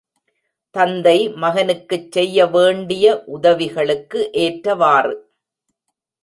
தந்தை மகனுக்குச் செய்ய வேண்டிக உதவிகளுக்கு ஏற்றவாறு.